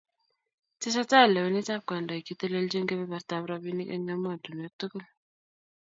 Tesetai lewenet ab kandoik chetelelchini kebebertab rabinik eng' emotunuek tugul